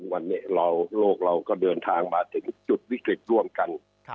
วันนี้โลกเราก็เดินทางมาถึงจุดวิกฤตร่วมกัน